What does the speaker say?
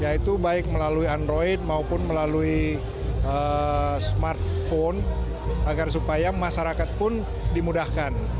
yaitu baik melalui android maupun melalui smartphone agar supaya masyarakat pun dimudahkan